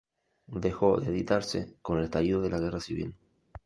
Dejó de editarse con el estallido de la Guerra civil.